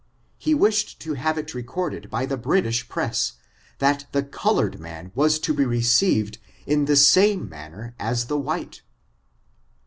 He wished to have it recorded by the British press, that the colored man was to be receiv ed in tne same manner as the white.